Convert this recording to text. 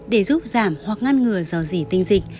để giúp giảm hoặc ngăn ngừa do dì tinh dịch